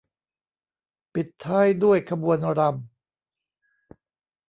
ปิดท้ายด้วยขบวนรำ